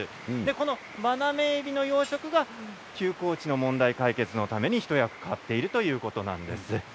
このバナメイエビの養殖が休耕地の問題解決のために一役買っているということなんです。